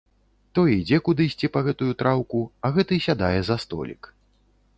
Той ідзе кудысьці па гэтую траўку, а гэты сядае за столік.